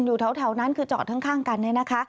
อยู่แถวนั้นคือจอดข้างกัน